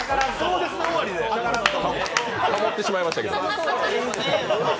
ハモってしまいましたけど。